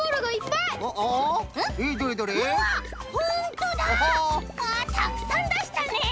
たくさんだしたね！